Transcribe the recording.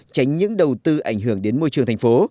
tránh những đầu tư ảnh hưởng đến môi trường thành phố